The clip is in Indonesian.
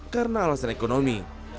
karena alasan ekonomi